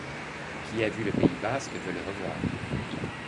Qui a vu le pays basque veut le revoir.